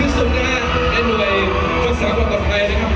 เมื่อเวลาอันดับสุดท้ายมันกลายเป้าหมายเป้าหมาย